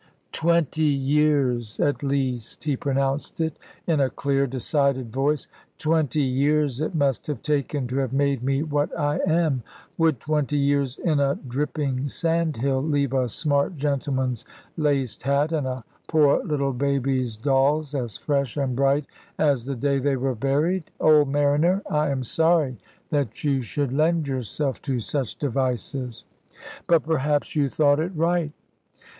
"Twenty years at least," he pronounced it, in a clear decided voice; "twenty years it must have taken to have made me what I am. Would twenty years in a dripping sandhill leave a smart gentleman's laced hat and a poor little baby's dolls as fresh and bright as the day they were buried? Old mariner, I am sorry that you should lend yourself to such devices. But perhaps you thought it right."